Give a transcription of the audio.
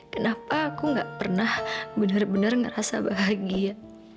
kenapa aku gak pernah bener bener ngerasa bahagia